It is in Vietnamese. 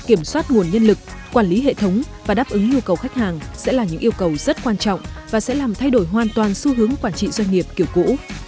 kiểm soát nguồn nhân lực quản lý hệ thống và đáp ứng nhu cầu khách hàng sẽ là những yêu cầu rất quan trọng và sẽ làm thay đổi hoàn toàn xu hướng quản trị doanh nghiệp kiểu cũ